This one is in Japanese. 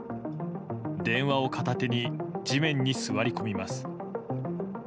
電話を片手に地面に座り込みます。